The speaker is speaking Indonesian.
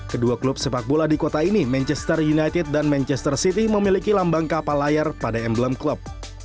kedua klub sepak bola di kota ini manchester united dan manchester city memiliki lambang kapal layar pada emblem klub